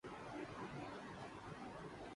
F B R افسران کے تبادلے